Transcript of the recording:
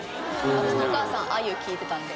私のお母さんあゆ聴いてたので。